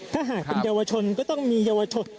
ถ้าหากเป็นเยาวชนก็ต้องมีเยาวชน